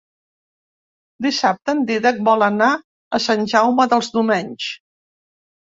Dissabte en Dídac vol anar a Sant Jaume dels Domenys.